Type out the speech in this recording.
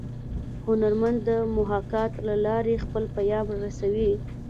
هنرمن د محاکات له لارې خپل پیام رسوي